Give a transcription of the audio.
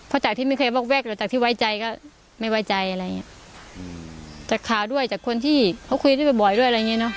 อ่าวอยู่ใกล้แค่นี้เองแล้วลง